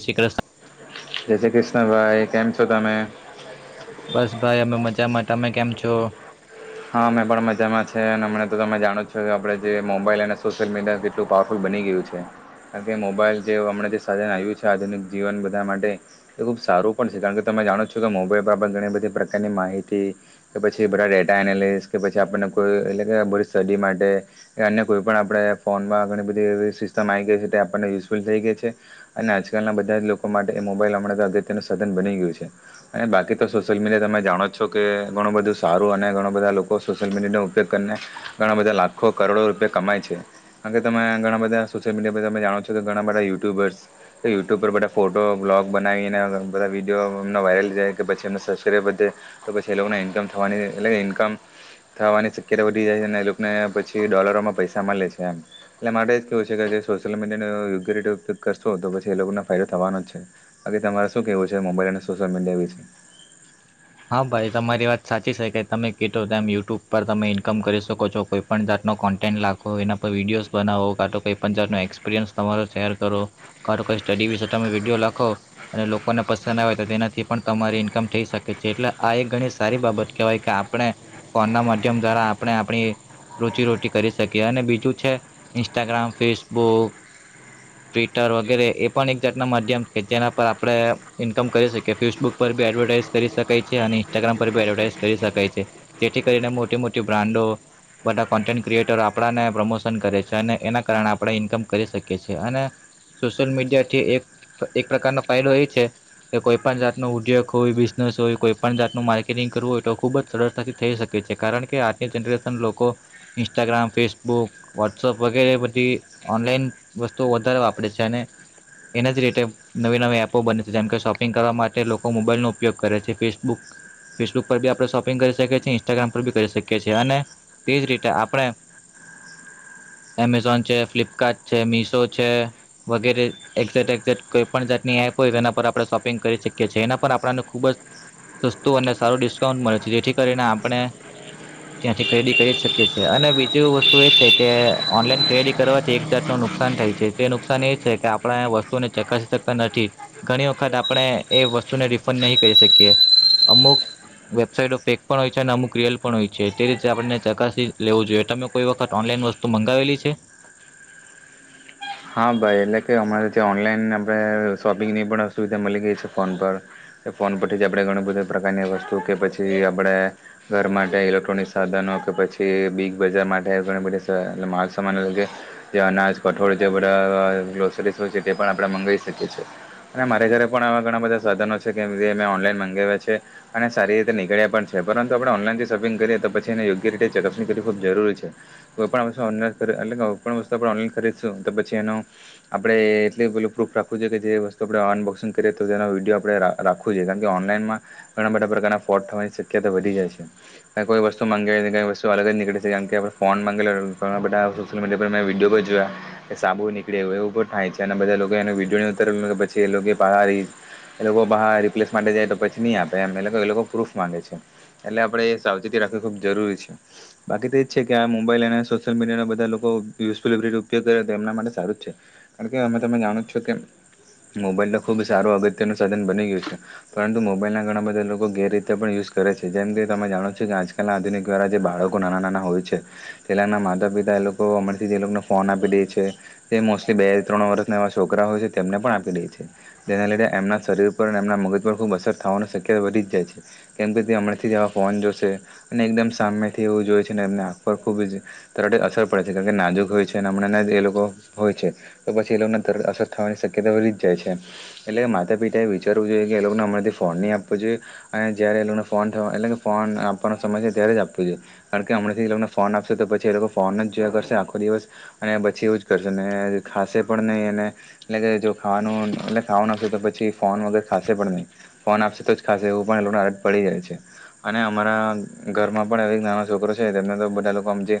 શ્રી કૃષ્ણ જય શ્રી કૃષ્ણભાઈ કેમ છો તમે બસ ભાઈ અમે મજા માં તમે કેમ છો. હા મેં પણ મજામાં છે અને અમને તો તમે જાણો છો કે આપણે જે મોબાઈલ અને સોશિયલ મીડિયા કેટલું પાવરફુલ બની ગયું છે કારણ કે મોબાઈલ જે હમણા જે સાધન આવ્યું છે આધુનિક જીવન બધા માટે એ ખૂબ સારું પણ છે કારણ કે તમે જાણો છો કે મોબાઈલ પર આપણે ઘણી બધી પ્રકારની માહિતી કે પછી બધા ડેટ ટા એનાલિસ કે પછી આપણને કોઈ એટલે કે બધી સ્ટડી માટે કે અન્ય કોઈ પણ આપણે ફોનમાં ઘણી બધી એવી સિસ્ટમ આવી ગઈ છે તે આપણને યુઝફુલ થઈ ગઈ છે અને આજકાલના બધા જ લોકો માટે એ મોબાઈલ હમણાં તો અત્યનું સાધન બની ગયું છે અને બાકી તો સોશયલ મીડિયા તમે જાણો જ છો કે ઘણું બધું સારું અને ઘણા બધા લોકો સોશિયલ મીડિયાનો ઉપયોગ કરીને ઘણા બધા લાખો કરોડો રૂપિયા કમાય છે કારણ કે તમે ઘણા બધા સોશિયલ મીડિયા પર તમે જાણો છો કે ઘણા બધા યુટ્યુબર્સ તો યુટ્યુબ પર બધા ફોટો બ્લોગ બનાવીને બધા વિડીયો એમના વાયરલ જાય કે પછી એમને સબસ્ક્રાઈબર થાય તો પછી એ લોકોને ઇન્કમ થવાની એટલે ઇન્કમ થવાની શક્યતા વધી જાય છે અને એ લોકોને પછી ડોલરોમાં પૈસા મળે છે એમ એટલે માટે કેવું છે કે જે સોશિયલ મીડિયાનો યોગય કરશો તો પછી એ લોકોને ફાયદો થવાનો જ છે બાકી તમારે શું કેવું છે મોબાઈલ અને સોશિયલ મીડિયા વિશે હા ભાઈ તમારી વાત સાચી છે કે તમે કેટો તેમ યુટ્યુબ પર તમે ઈન્કમ કરી શકો છો કોઈ પણ જાતનો કોન્ટેન્ટ લખો એના પર વિડીયોઝ બનાવો કા તો કોઈ પણ જાતનો એક્સપિરિયન્સ તમારો શેર કરો કા તો કોઈ સ્ટડી વિશે તમે વિડીયો લખો અને લોકોને પસંદ આવે તો તેનાથી પણ તમારી ઇન્કમ થઈ શકે કે છે એટલે આ એક ઘણી સારી બાબત કહેવાય કે આપણે ફોનના માધ્યમ દ્વારા આપણે આપણી રોજીરોટી કરી શકીએ અને બીજું છે ઇન્સ્ટાગ્રામ ફેસબુક ટ્વિટર વગેરે એ પણ એક જાટના માધ્યમ કે જેના પર આપણે ઇન્કમ કરી શકીએ ફેસબુક પર બી એડવર્ટાઈઝ કરી શકાય છે અને ઇન્સ્ટાગ્રામ પર બી એડવર્ટાઈઝ કરી શકાય છે જેથી કરીને મોટી મોટી બ્રાન્ડો બધા કોન્ટેન્ટ ક્રિએટરો આપણાને પ્રમોશન કરે છે અને એના કારણે આપણે ઇન્કમ કરી શકીએ છીએ અને સોશિયલ મીડિયાથી એક એક પ્રકારનો ફાયદો એ છે કે કોઈ પણ જાતનો ઉદ્યોગ હો કોઈપણ જાતનું માર્કેટિંગ કરવું હોય તો ખૂબ જ સરળતાથી થઈ શકે છે કારણ કે આજની જનરેશન લોકો ઇન્સ્ટાગ્રામ ફેસબુક વોટ્સઅપ વગેરે બધી ઓનલાઈન વસ્તુઓ વધારે વાપરે છે અને એના જ રીતે નવી નવી એપો બને છે જેમ કે શોપિંગ કરવા માટે લોકો મોબાઈલનું ઉપયોગ કરે છે ફેસબુક ફેસબુક પર બી આપણે શોપિંગ કરી શકીએ છીએ ઇન્સ્ટાગ્રામ પર બી કરી શકીએ છે અને તે જ રીતે આપણે એમેઝોન છે ફ્લિપકાર્ટ છે મિશો છે વગેરે એક્ઝેક્ટ એક્ઝેક્ટ કોઈ પણ જાતની એપ હોય એના પર આપણે શોપિંગ કરી શકીએ છીએ એના પર આપણાનું ખૂબ જ સસ્તું અને સારું ડિસ્કાઉન્ટ મળે છે જેથી કરીને આપણે ત્યાંથી ક્રેદી કરી શકીએ છે અને બીજું વસ્તુ એ છે કે ઓનલાઈન ક્રેડી કરવાથી એક જાતનું નુકસાન થાય છે તે નુકસાન એ છે કે આપણે વસ્તુને ચકાસી શકતા નથી ઘણી વખત આપણે એ વસ્તુને રિફંડ નહી કરી શકીએ અમુક વેબસાઇટ ફેક પણ હોય છે અને અમુક રિયલ પણ હોય છે તે રીતે આપને ચકાસી લેવું જોઈએ તમે કોઈ વખત ઓનલાઈન વસ્તુ મંગાવેલી છે. હા ભાઈ એટલે કે અમારે જે ઓનલાઈન આપણે શોપિંગની પણ સુુવિધા મલી ગઈ છે ફોન પર એ ફોન પરથી જ આપણે ઘણી બધી પ્રકારની વસ્તુ કે પછી આપણે ઘર માટે ઇલેક્ટ્રોનિક સાધનો કે પછી બીગ બજાર માટે ઘણી બધી માલસામાન કે જે અનાજ કઠોળ જબડા ગ્રોસરીઝ હોય છે તે પણ આપણે મગાવી શકીએ છીએ અને મારે ઘરે પણ આવા ઘણા બધા સાધનો છે કે જે મેં ઓનલાઈન મંગાવ્યા છે અને સારી રીતે નીકળ્યા પણ છે પરંતુ આપણે ઓનલાઈનથી શોપિંગ કરીએ તો પછી એને યોગ્ય રીતે ચેકઅપની કર ખૂબ જરૂરી છે કોઈપણ વસ્તુ ઓન એટ કોઈ પણ વસ્તુ આપણે ઓનલાઈન ખરી શું તો પછી એનો આપણેે એટલે પેલું પ્રૂફ રાખવું જો કે જે વસ્તુ આપણે અનબોક્સિંગ કરીએ તો એનો વિડીયો આપણે રાખવું જોઈએ કારણ કે ઓનલાઈનમાં ઘણા બધા પ્રકારના ફ્રોડ થવાની શક્યતા વધી જાય છે કોઈ વસ્તુ માંગે કઈ વસ્તુ અલગ જ નીકળે છે કારણ કે આપણે ફોન માંગેલા ઘણા બધા સોશિયલ મીડિયા મે વિડીયો પણ જોયા એ સાબુ નીકળેય એવું થાય છે અને બધા લોકો એ વિડીયો ઉતારે કે પછી એ બહાર લોકો બહાર રિપ્લેસ માટે જાય તો પછી નહી આપે એમ એ એ લોકો પ્રૂફ માંગે છે એટલે આપે એ સાવચેતી રાખવી ખૂબ જરૂરી છે બાકી તો એજ છે કે આ મોબાઈલ અને સોશિયલ મીડિયાને બધા લોકો ઉપયોગ કરે તેમના માટે સારું જ છે કારણ કે અમે તમે જાણો છો કે મોબાઈલનો ખૂબ સારો અગત્યનું સાધન બની ગયું છે પરંતુ મોબાઈલના ઘણા બધા એ લોકો ગેરરીતે પણ યુઝ કરે છે જેમ કે તમે જાણો છો કે આજકાલના આધુનિક દ્વારા જે બાળકો નાના નાના હોય છે પહેલાના માતા પિતા એ લોકો અમણાથી જે લોકોનો ફોન આપી દે છે તે મોસ્ટલી બે ત્રણ વર્ષના એવા છોકરા હોય છે તેમને પણ આપી દે છે જેના લીધે એમના શરીર પર અને એમના મગજ પર ખૂબ અસર થવાની શક્યતા વધી જ જાય છે કેમ કે તે હમણાંથી જેવા ફોન જોશે અને એકદમ સામેથી એવું જોઈ છે અને એમના આંખ પર ખૂબ જ તરત અસર પડે છે કારણ કે નાજુક હોય છે. હમણાં એ લોકો હોય છે તો પછી એ લોકોને તરત અસર થવાની શક્યતા વધી જ જાય છે એટલે કે માતા પિતા એ વિચારવું જોઈએ કે એ લોકોને હમણાંથી ફોન નહી આપવો જોઈએ અને જયારે એ લોકોને ફોન થવા એટલે કે ફોન આપવાનો સમય છે ત્યારે જ આપવો જોઈએ કારણ કે હમણાંથી લોકોને ફોન આપશે તો પછી એ લોકો ફોન જ જોયા કરશે આખો દિવસ અને પછી એવું જ કરશે ખાશે પણ નહીં અને એટલે કે જો ખાવાનું એટ ખાવાનું આપશે તો પછી ફોન વગર ખાશે પણ નહી ફોન આપશે તો જ ખાશે એવું પણ એ લોકોને આ પડી જાય છે અને અમારા ઘરમાં પણ નાનો છોકરો છે તેમને તો બધા લોકો આમજ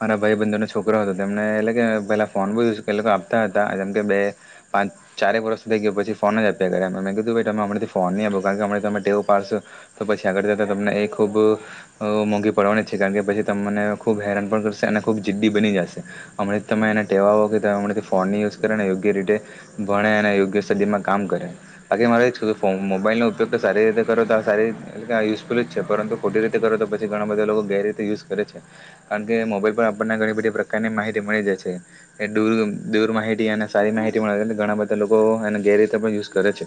મારા ભાઈ બંધ છોકરો હતો તેમને એટલે કે પહેલા ફોન બો યુઝ કર એ લોકો આપતા હતા જેમ કે બે પાંચ ચારેક વર્ષ થઈ ગયો પછી ફોન જ આપ્યા કરે મેં કીધું તમે હમણાથી ફોન નહીં આપો કારણ કે હમ તમે ટેવ પાડશો તો પછી આગળ જ તમને એ ખૂબ મોંઘી પડવાની જ છે કારણ કે પછી તમ મને ખૂબ હેરાન પણ કરશે અને ખૂબ જી બની જશે હમણાં તમે એના ટેવા કે ફોનની યુઝ કરે ને યોગ્ય રીતે ભણે અને યોગ્ય સુથીમાં કામ કરે બાકી મારો મોબાઈલનો ઉપયોગ સારી રીતે કરો તો આ સારી યુઝફુલ જ છે પરંતુ ખોટી રીતે કરો તો પછી ઘણા બધા લોકો ગેર રીતે યુઝ કરે છે કારણ કે મોબાઈલ પર આપને ઘણી બધી પ્રકારની માહિતી મળી જાય છે એર દૂર માહિતી અને સારી માહિતી મળે ઘણા બધા લોકો એને ગેર રીતે પણ યુઝ કરે છે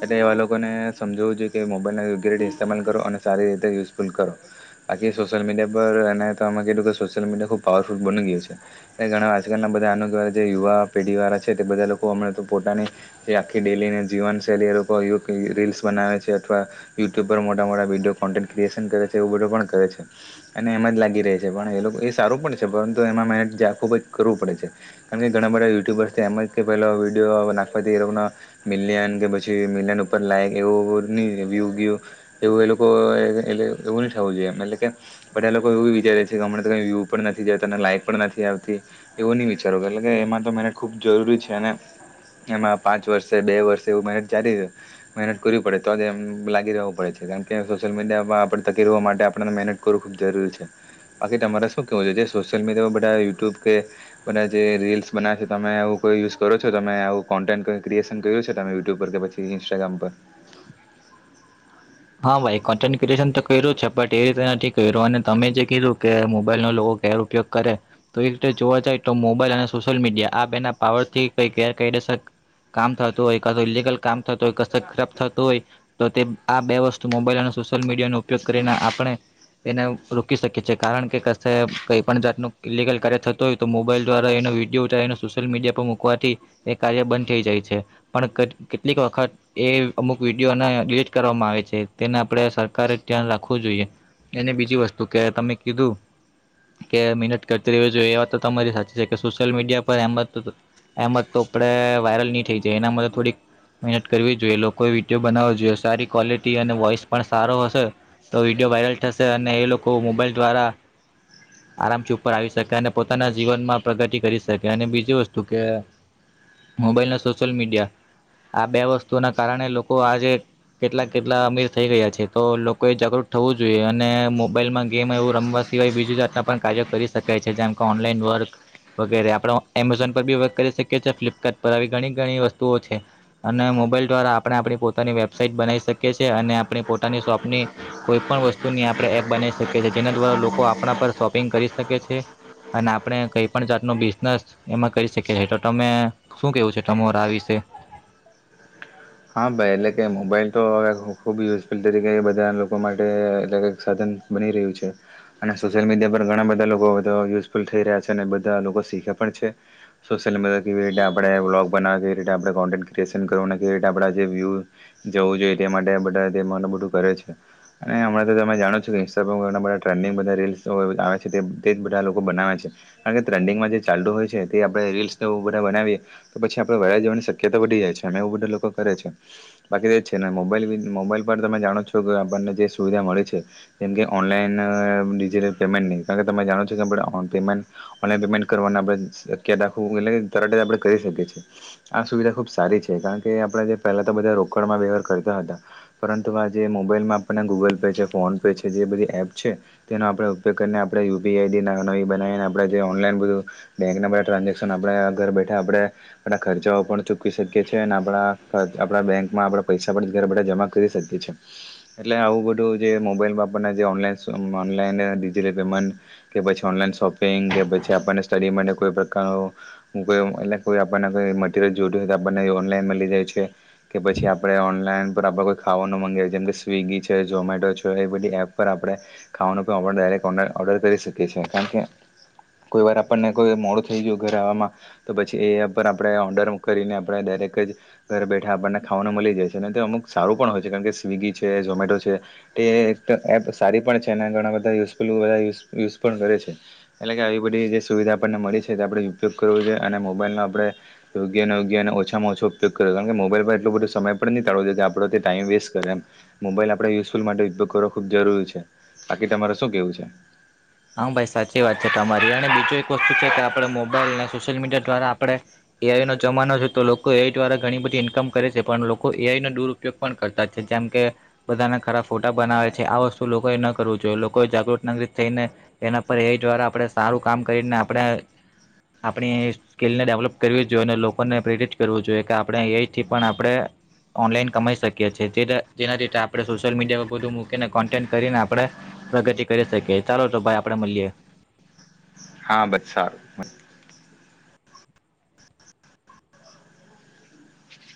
એટલે એવા લોકોને સમજાવું જોઈએ કે મોબાઈલનાગ રીતે ઇમાલ કરો અને સારી રીતે યુઝફુલ કરો બાકી સોશિયલ મીડિયા પર એને તમે કીધું કે સોશિયલ મીડિયા ખૂબ પાવરફુલ બની ગયું છે એ ઘણા આજકાલના બધા અનોકવા જે યુવા પેઢીવાળા છે તે બધા લોકો હમણાં તો પોતાની જે આખી ડેલીને જીવનશૈલી એ લોકો રીલ્સ બનાવે છે અથવા યુટ્યુબ પર મોટા મોટા વિડીયો કોન્ટેન્ટ ક્રિએશન કરે છે એવું બધું પણ કરે છે અને એમાં જ લાગી રહે છે પણ એ લોકો એ સારું પણ છે. છે પરંતુ એમાંને ખુબ જ કરવું પડે છે કારણ કે ઘણા બધા યુટ્યુબર્સ એમ પેલા વિડીયો નાખવાથી મિલિયન કે પછી મિલિયન ઉપર લાઈક એવ્ય એવું એ એવ થવું જોઈએ એટલે કે બધા લોકો એવુ વિચારે છે કે હમણાયુ લાયક પણ નથી આવતી એવું નહી વિચારો એટલે કે એમાં તો મહેનત ખુબ જરૂરી છે અને એમાં પાંચ વર્ષે બે વર્ષે એવુ મહેનત જારી મહેનત કરવી પડે તો જ એમ લાગી રહવું પડે છે કેમ કે સોશિયલ મીડિયામાં આપણે તકર માટે આપને મહેનત કરવું ખૂબ જરૂરી છે બાકી તમારે શું કેવું જોએ સોશિયલ મીડિયામાં બધા યુટ્યુબ કે બધા જે રીલ્સ બનાવે છે તમે એવુ કોઈ યુઝ કરો છો તમે આવું કોન્ટેન્ટ ક્રિએશન કર્યું છે તમે યુટ્યુબ પર કે પછી ઇન્સ્ટાગ્રામ પર હા ભાઈ કન્ટેન્ટ ક્રિએશન તો કર્યું છે પણ એ રીતે નથી કર્યું અને તમે જે કીધું કે મોબાઈલનો લોકો ગેર ઉપયોગ કરે તો એ રીતે જોવા જાય તો મોબાઈલ અને સોશિયલ મીડિયા આ બેના પાવરથી કઈ ગેરકાયદસ કામ થતું હોય ઇગલ કામ થતો હોય કસે ખરાબ થતો હોય. તો તે આપ બે વસ્તુ મોબાઈલ અને સોશિયલ મીડિયાનો ઉપયોગ કરીને આપણે એને રોકી શકીએ છીએ કારણ કે કશે કઈ પણ જાતનું ઇલિગલ કાર્ય થતું હોય તો મોબાઈલ દ્વારા એનો વિડીયો ઉતારીને સોશિયલ મીડિયા પર મૂકવાથી એ કાર્ય બંધ થઈ જાય છે પણ કેટલીક વખત એ અમુક વિડીિયોને ડિલીટ કરવામાં આવે છે તેને આપણે સરકારે ધ્યાન રાખવું જોઈએ એને બીજી વસ્તુ કે તમે કીધું કે મહેનત કરતી રહેવી જોઈએ એ વાત તો તમારી સાચી છે કે સોશિયલ મીડિયા પર એમ તો આપડે વાયરલ નહી થઈ જાય એના માટે થોડીક મહેનત કરવી જ જોઈએ લોકોએ વિડીયો બનાવો જોઈએ સારી ક્વોલિટી અને વોઇસ પણ સારો હશે તો વિડીયો વાયરલ થશે અને એ લોકો મોબાઈલ દ્વારા આરામથી ઉપર આવી શકે અને પોતાના જીવનમાં પ્રગતિ કરી શકે અને બીજી વસ્તુ કે મોબાઈલ અને સોશિયલ મીડિયા આ બે વસ્તુના કારણે લોકો આજે કેટલાક કેટલા અમીર થઈ ગયા છે તો લોકોએ જાગૃત થવું જોઈએ અને મોબાઈલમાં ગેમ એવું રમવા સિવાય બીજી જાતનાં પણ કાર્યો કરી શકાય છે જેમ કે ઓનલાઈન વર્ક વગેરે આપણે એમેઝોન પર બી વર્ક કરી શકીએ છીએ ફ્લિપકાર્ટ પર આવી ઘણી ઘણી વસ્તુઓ છે અને મોબાઈલ દ્વારા આપણે આપણી પોતાની વેબસાઈટ બનાવી શક કીએ છે અને આપણી પોતાની શોપની કોઈ પણ વસ્તુની આપણે એપ બનાવી શકીએ છે જેના દ્વારા લોકો આપણા પર શોપિંગ કરી શકે છે અને આપણે કઈ પણ જાતનું બિઝનેસ એમાં કરી શકી છેએ તો તમે શું કેવું છે તમાર આ વિશે હા ભાઈ એટલે કે મોબાઈલ તો હવે ખૂબ યુઝફુલ તરીકે એ બધા લોકો માટે એટલે કઈક સાધન બની રહ્યું છે અને સોશિયલ મીડિયા પર ઘણા બધા લોકોધ યુઝફુલ થઈ રહ્યા છે અને બધા લોકો શીખે પણ છે સોશિલ મીડિયા કેવી રીતે આપણે બ્લોગ બનાવવા કેવી રીતે આપણે કોન્ટેન્ટ ક્રિએશન કરવા કે આપ જે્યુ જવું જોઈએ તે માટે બધાું બધું કરે છે અને હમણાં તમે જાણો છો કે ઇન્સ્ટાગ્રામ બધા ટ્રેન્ડંગ બધા રીલ્ આવે છે તે બધા લોકો બનાવે છે કારણ કે ટ્રેન્ડિંગમાં જે ચાલતુ હોય છે તે આપણે રીલ્સને એ બધા બનાવીએ તો પછી આપડે વરા જવાની શક્યતા વધી જાય છે અમે એ બધા લોકો કરે છે બાકી તો જ છે ને મોબાઈલ મોબાઈલ પર તમે જાણો છો કે આપણને જે સુવિધા મળી છે જેમ કે ઓનલાઈન ડિજિટલ પેમેન્ટ નહીં કારણ કે તમે જાણો છો કે આપણે પેમેન્ટ ઓનલાઈન પેમેન્ટ કરવાનું આપણે શક્ય રાખવું એટલે કે તરટે જ આપણે કરી શકીએ છીએ આ સુવિધા ખૂબ સારી છે કારણ કે આપણે જે પહેલાં તો બધા રોકડમાં વ્યવહાર કરતા હતા પરંતુ આ જે મોબાઈલમાં આપણને ગૂગલ પે છે ફોન પે છે જે બધી એપ છે તેનો આપણે ઉપયોગ કરીને આપણે યુપીઆઈ આઈડીવી નવી બનાવીને આપણે જે ઓનલાઈન બધું બેન્કના બધા ટ્રાન્ઝેક્શન આપણે ઘર બેઠા આપણે બધા ખર્ચાઓ પણ ચૂકીવી શકીએ છીએ અને આપણા આપણા બેંકમાં આપણે પૈસા પણ ઘરે બેઠા જમા કરી શકીએ છીએ એટલે આવું બધું જે મોબાઈલમાં આપણને જેન ઓનલાઈન ડિજીિટલ પેમેન્ટ કે પછી ઓનલાઈન શોપિંગ કે પછી આપણને સ્ટડી માટે કોઈ પ્રકારનું એલે કોઈ આપણને કોઈ મટીરિયલ જોતું હોય તો આપણને ઓનલાઈન મળી જાય છે. કે પછી આપણે ઓનલાઈન પર આપ કોઈ ખાવાનું મગાવ જેમ કે સ્વિગી છે ઝમેટો છે એ બધી એપ પર આપણે ખાવાનુંક ઓર્ડર કરી શકીએ છીએ કારણ કે કોઈ વાર આપણને કોઈ મોડું થઈ ગયું ઘર આવામાં તો પછી એ એપ પર આપણે ઓર્ડર કરીને આપણે ડાયરેક જ ઘરે બેઠા આપણને ખાવાનું મળી જાય છે અને તે અમુક સારું પણ હોય છે કારણ કે સ્વિગી છે ઝોમેટો છે તે એક એપ સારી પણ છે અને ઘણા બધા યુઝફુલ બધા યુઝ યુઝ પણ કરે છે એટલે કે આવી બધી જે સુવિધા આપણને મળી છે તે આપણે ઉપયોગ કરવો જોઈએ અને મોબાઈલનો આપણે યોગ્ય અને યોગ્ય અને ઓછામાં ઓછો ઉપયોગ કરે કારણ કે મોબાઈલ પર એટલોું બધું સમય પણ નહીંળવું દે કે આપડો તે ટાઈમ વેસ્ટ કરે એમ મોબાઈલ આપણે યુઝફુલ માટે ઉપયોગ કરવો ખૂબ જરૂરી છે બાકી તમારે શું કેવું છે. હા ભાઈ સાચી વાત છે તમારી અને બીજું એક વસ્તુ છે કે આપ મોબાઈલ અને સોશિયલ મીડિયા દ્વારા આપણે એઆઈ નો જમાનો છે તો લોકો એઆઈ દ્વારા ઘણી બધી ઇન્કમ કરે છે પણ લોકો એઆઈ નો દુરપયોગ પણ કરતા જ છે જેમ કે બધાના ખરાબ ફોટા બનાવે છે આ વસ્તુ લોકોએ ન કરવું જોઈએ લોકોએ જાગૃત ના થઈને એના પર એ દ્વારા આપણે સારું કામ કરીને આપણે આપણી સ્કીલને ડેવલોપ કરવી જોઈએ અને લોકોને પ્રેરિત કરવું જોઈએ કે આપણે એ થી પણ આપણે ઓનલાઈન કમાઈ શકીએ છીએ જેનાી આપણે સોશિયલ મીડિયા પર બધું મૂકીને કન્ટેન્ટ કરીને આપણે પ્રગતિ કરી શકીએ ચાલો તો ભાઈ અપડે મલ્યે હા બસ સારું